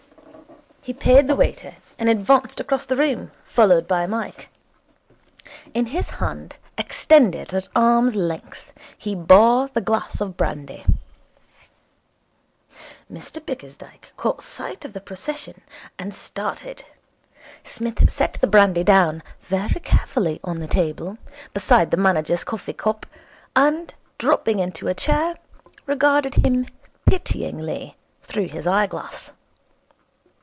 He paid the waiter, and advanced across the room, followed by Mike. In his hand, extended at arm's length, he bore the glass of brandy. Mr Bickersdyke caught sight of the procession, and started. Psmith set the brandy down very carefully on the table, beside the manager's coffee cup, and, dropping into a chair, regarded him pityingly through his eyeglass.